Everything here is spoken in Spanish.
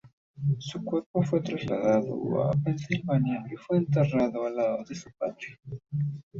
Su cuerpo fue trasladado a Pensilvania y fue enterrado al lado de su padre.